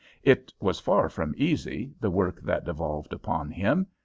It was far from easy, the work that devolved upon him.